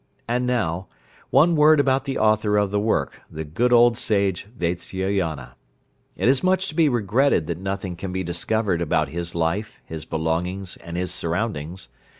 And now, one word about the author of the work, the good old sage Vatsyayana. It is much to be regretted that nothing can be discovered about his life, his belongings, and his surroundings.